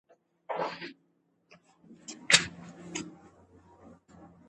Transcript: با ید پښه یې بنده کړي.